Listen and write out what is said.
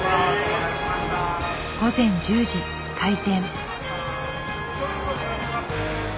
午前１０時開店。